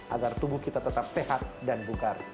agar tubuh kita tetap sehat dan bugar